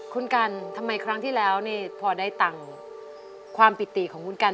คุณกันทำไมครั้งที่แล้วนี่พอได้ตังค์ความปิติของคุณกัน